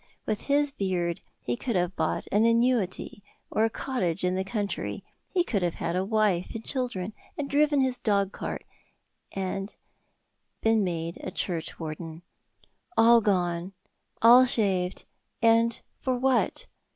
With his beard he could have bought an annuity or a cottage in the country, he could have had a wife and children, and driven his dog cart, and been made a church warden. All gone, all shaved, and for what?